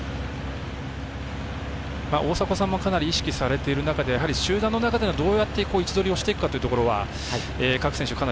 大迫さんもかなり意識されている中で集団の中でどうやって位置取りをしていくかというのは各選手